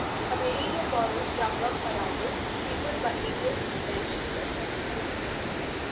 A medieval borough sprung up around it - peopled by English and Welsh settlers.